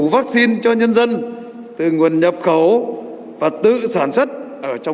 vắc xin cho nhân dân từ nguồn nhập khẩu và tự sản xuất ở trong nước và mọi người đều bình đẳng